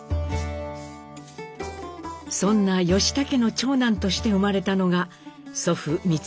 そんな義武の長男として生まれたのが祖父光宏。